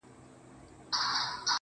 پوره اته دانې سمعان ويلي كړل.